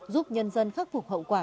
giúp nhân dân khắc phục hậu quả